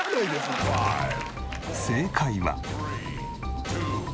正解は。